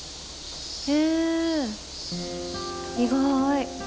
へえ意外。